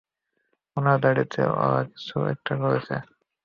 উনার দাঁড়িতে ওরা কিছু একটা করেছে!